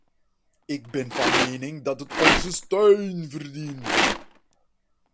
Ik ben van mening dat het onze steun verdient.